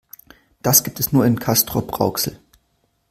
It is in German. Das gibt es nur in Castrop-Rauxel